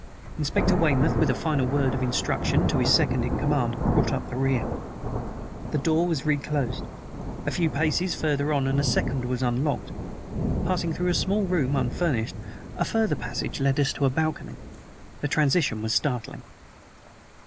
Inspector Weymouth, with a final word of instruction to his second in command, brought up the rear. The door was reclosed; a few paces farther on a second was unlocked. Passing through a small room, unfurnished, a farther passage led us to a balcony. The transition was startling.